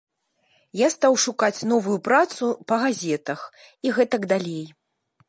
Я стаў шукаць новую працу, па газетах і гэтак далей.